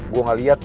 gua gak liat